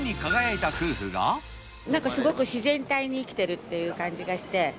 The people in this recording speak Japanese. なんかすごく、自然体に生きているという感じがして。